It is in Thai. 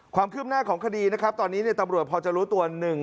ความคืบหน้าของคดีนะครับตอนนี้ตำรวจพอจะรู้ตัวหนึ่ง